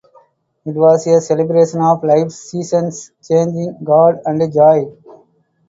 It was a celebration of life, seasons changing, God, and joy.